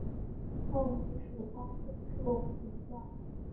后为蜀公孙述属下。